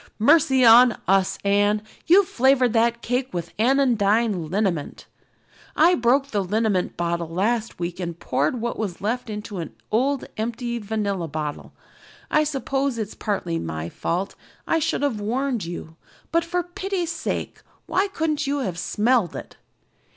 "Mercy on us, Anne, you've flavored that cake with Anodyne Liniment. I broke the liniment bottle last week and poured what was left into an old empty vanilla bottle. I suppose it's partly my fault I should have warned you but for pity's sake why couldn't you have smelled it?"